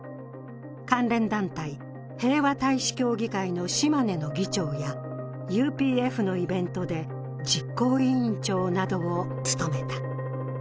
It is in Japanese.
関連団体、平和大使協議会の島根の議長やＵＰＦのイベントで実行委員長などを務めた。